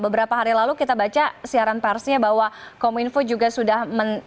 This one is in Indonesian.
beberapa hari lalu kita baca siaran persnya bahwa kominfo juga sudah